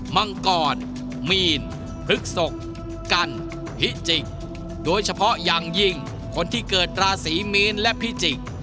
มังกรมีนพฤกษกกันพิจิกโดยเฉพาะอย่างยิ่งคนที่เกิดราศีมีนและพิจิก